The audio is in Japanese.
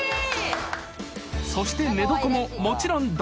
［そして寝床ももちろん洞窟内］